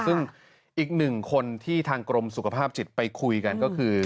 ซึ่งอีกหนึ่งคนที่ทางกรมสุขภาพจิตไปคุยกันก็คือ